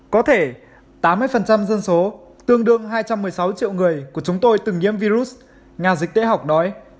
có thể tám mươi dân số tương đương hai trăm một mươi sáu triệu người của chúng tôi từng nhiễm virus nhà dịch tễ học đói